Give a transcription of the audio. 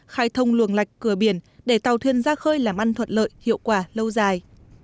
khai thông luồng lạch cửa biển để tàu thuyền ra khơi làm ăn thuận lợi hiệu quả lâu dài